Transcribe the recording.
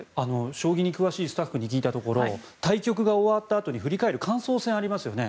将棋に詳しいスタッフに聞いたところ対局が終わったあとに振り返る感想戦がありますよね。